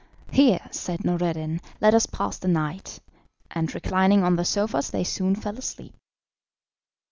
"Here," said Noureddin, "let us pass the night," and reclining on the sofas they soon fell asleep.